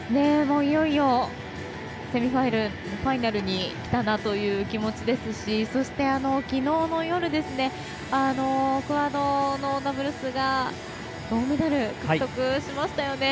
いよいよセミファイナルにきたなという気持ちですしそして昨日の夜クアードのダブルスが銅メダルを獲得しましたよね。